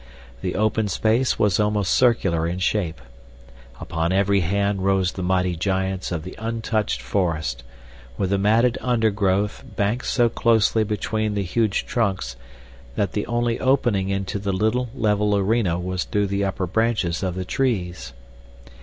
The open space was almost circular in shape. Upon every hand rose the mighty giants of the untouched forest, with the matted undergrowth banked so closely between the huge trunks that the only opening into the little, level arena was through the upper branches of the trees.